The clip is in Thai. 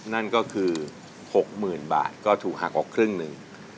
นั่นก็คือ๖๐๐๐บาทก็ถูกหักออกครึ่งหนึ่ง